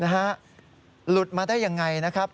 หลุดมาได้ยังไงนะครับ